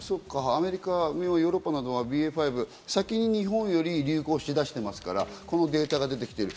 アメリカやヨーロッパなどはＢＡ．５、先に日本より流行しだしているので、このデータが出てきている。